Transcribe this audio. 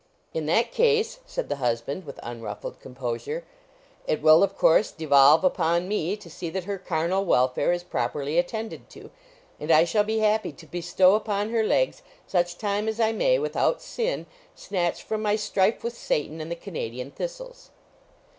"In that case," said the husband, with unruffled composure, "it will, of course, devolve upon me to see that her carnal welfare is properly attended to; and I shall be happy to bestow upon her legs such time as I may, without sin, snatch from my strife with Satan and the Canadian thistles."